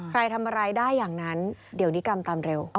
ทำอะไรได้อย่างนั้นเดี๋ยวนิกรรมตามเร็ว